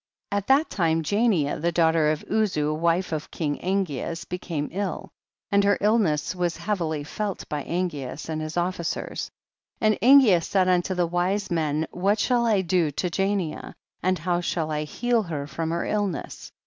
18. At that time Jania the daughter of Uzu wife of kinsT Angeas became ill, and her illness was heavily felt by Angeas and his officers, and Angeas said unto his wise men, what shall I do to Jania and how shall I heal her from her illness